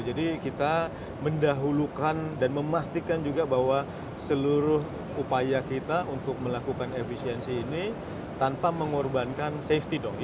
jadi kita mendahulukan dan memastikan juga bahwa seluruh upaya kita untuk melakukan efisiensi ini tanpa mengorbankan safety dong